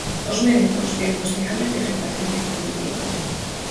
Os médicos diagnosticáronlle afectación cognitiva.